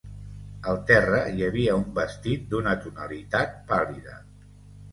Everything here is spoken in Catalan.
Al terra hi havia un vestit d'una tonalitat pàl·lida.